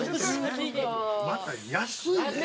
◆また安いね。